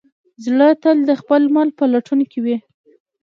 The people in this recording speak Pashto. زړه تل د خپل مل په لټون کې وي.